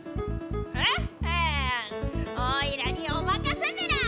フッフーンオイラにおまかせメラ！